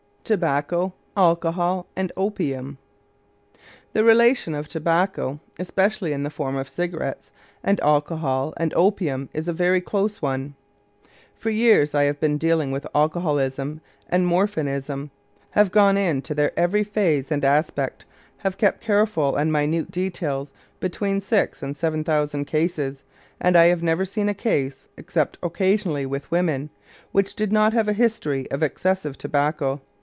TOBACCO, ALCOHOL, AND OPIUM The relation of tobacco, especially in the form of cigarettes, and alcohol and opium is a very close one. For years I have been dealing with alcoholism and morphinism, have gone into their every phase and aspect, have kept careful and minute details of between six and seven thousand cases, and I have never seen a case, except occasionally with women, which did not have a history of excessive tobacco.